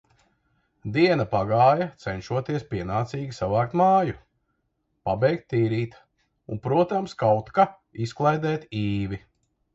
Diena pagāja, cenšoties pienācīgi savākt māju, pabeigt tīrīt. Un protams, kaut ka izklaidēt Īvi.